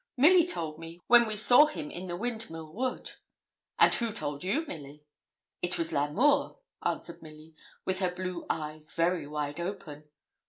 'Milly told me, when we saw him in the Windmill Wood.' 'And who told you, Milly?' 'It was L'Amour,' answered Milly, with her blue eyes very wide open.